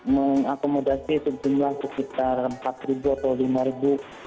mengakomodasi sejumlah sekitar empat atau lima ribu